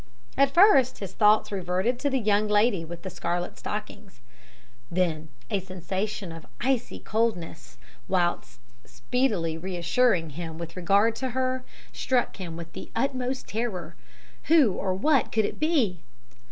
"At first his thoughts reverted to the young lady with the scarlet stockings; then, a sensation of icy coldness, whilst speedily reassuring him with regard to her, struck him with the utmost terror. Who or what could it be?